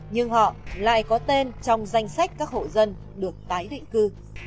nhưng họ lại có tên trong danh sách các hộ dân được tái định cư